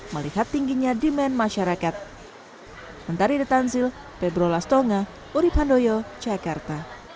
melihat tingginya demand masyarakat